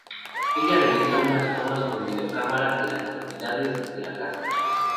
Ella realiza unas tomas con una videocámara de las actividades de la casa.